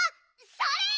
それ！